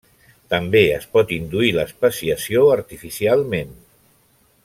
També es pot induir l'especiació artificialment.